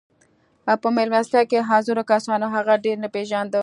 په مېلمستیا کې حاضرو کسانو هغه ډېر نه پېژانده